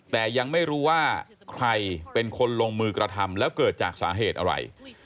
แต่ยังไม่รู้ว่าใครเป็นคนลงมือกระทำแล้วเกิดจากสาเหตุอะไร